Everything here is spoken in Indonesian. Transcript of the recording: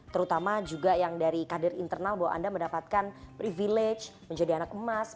terutama juga yang dari kadir internal bahwa anda mendapatkan privilege menjadi anak emas menjadi putra mahkota dan lain lain